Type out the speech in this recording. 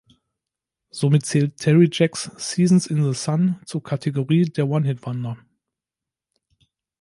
Somit zählt Terry Jacks "Seasons in the Sun" zur Kategorie der One-Hit-Wonder.